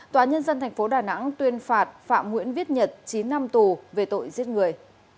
tòa nhân dân tp đà nẵng tuyên phạt phạm nguyễn viết nhật chín năm tù về tội giết người